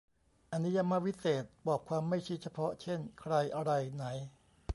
อนิยมวิเศษณ์ บอกความไม่ชี้เฉพาะ เช่น ใคร อะไร ไหน